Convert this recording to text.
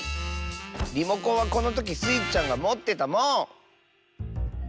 リモコンはこのときスイちゃんがもってたもん！